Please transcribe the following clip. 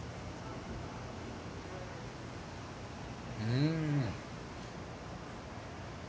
うん。